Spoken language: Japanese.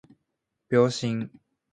秒針